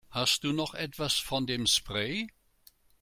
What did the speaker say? Hast du noch was von dem Spray?